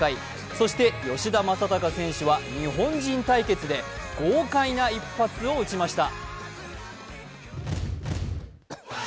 そして吉田正尚選手は日本人対決で豪快な一発を打ちました。